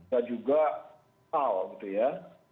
dan juga hal gitu ya